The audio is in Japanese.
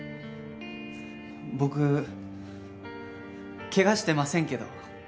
僕怪我してませんけど。